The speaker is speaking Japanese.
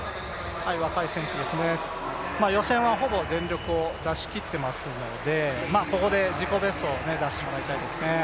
若い選手ですね、予選はほぼ全力を出しきっていますのでここで自己ベストを出してもらいたいですね。